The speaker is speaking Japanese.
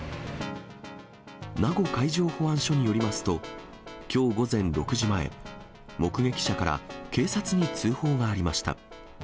名護海上保安署によりますと、きょう午前６時前、目撃者から警察に通報がありました。